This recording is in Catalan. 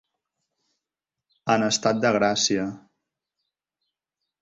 En estat de gràcia.